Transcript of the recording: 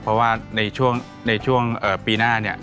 เพราะว่าในช่วงปีหน้าเนี่ย